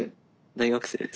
大学生です。